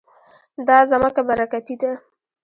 دا ځمکه برکتي ده.